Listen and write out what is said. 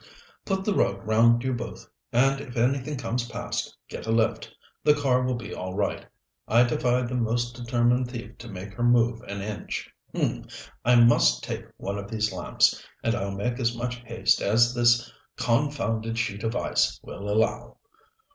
"Put the rug round you both, and if anything comes past, get a lift. The car will be all right. I defy the most determined thief to make her move an inch. H'm! I must take one of these lamps, and I'll make as much haste as this confounded sheet of ice will allow."